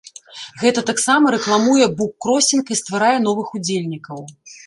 Гэта таксама рэкламуе буккросінг і стварае новых удзельнікаў.